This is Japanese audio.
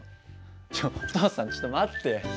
ちょお父さんちょっと待って。